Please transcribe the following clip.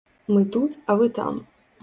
Мы тут, а вы там.